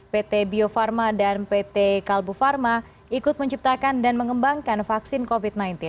pt bio farma dan pt kalbu farma ikut menciptakan dan mengembangkan vaksin covid sembilan belas